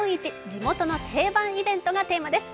地元の定番イベント」がテーマです。